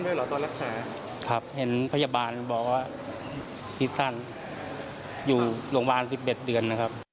ทิศสรรค์อยู่โรงพยาบาล๑๗เดือน